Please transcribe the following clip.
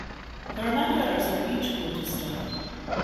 There are many others for each field of study.